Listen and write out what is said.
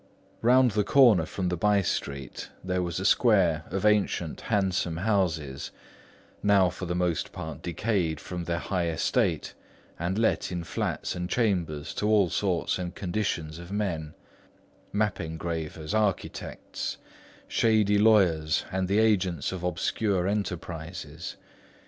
Round the corner from the by street, there was a square of ancient, handsome houses, now for the most part decayed from their high estate and let in flats and chambers to all sorts and conditions of men; map engravers, architects, shady lawyers and the agents of obscure enterprises.